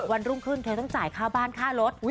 วันรุ่งขึ้นเธอต้องจ่ายค่าบ้านค่ารถ